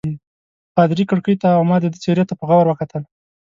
پادري کړکۍ ته او ما د ده څېرې ته په غور وکتل.